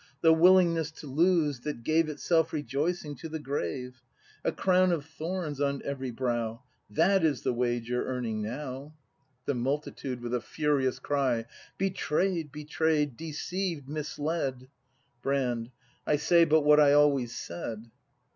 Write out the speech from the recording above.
The willingness to lose, that gave Itself rejoicing to the grave; — A crown of thorns on every brow; — That is the wage you're earning now! ACT V] BRAND 271 The Multitude. [With a furious cry.] Betray 'd! Betray 'd! Deceived! Misled! Brand. I say but what I always said!